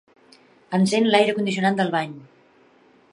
Encén l'aire condicionat del bany.